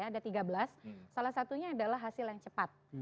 ada tiga belas salah satunya adalah hasil yang cepat